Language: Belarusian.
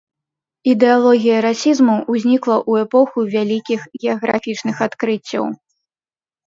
Ідэалогія расізму ўзнікла ў эпоху вялікіх геаграфічных адкрыццяў.